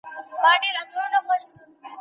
وروسته پاته والی د یوې ناروغۍ په څېر دی.